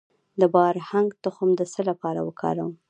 د بارهنګ تخم د څه لپاره وکاروم؟